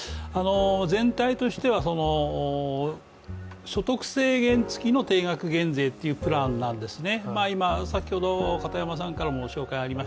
全体としては所得制限つきの定額減税という案ですね。